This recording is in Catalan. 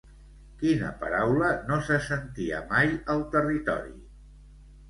Quina paraula no se sentia mai al territori?